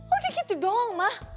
oh dia gitu doang ma